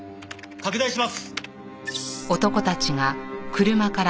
拡大します！